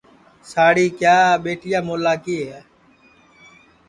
ساڑی کِیا سپا ٻیٹِیا مولا کی ہے